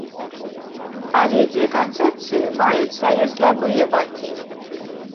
Абедзве канцэпцыі маюць свае слабыя бакі.